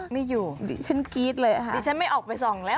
ไม่อยู่ดิฉันกรี๊ดเลยค่ะดิฉันไม่ออกไปส่องแล้ว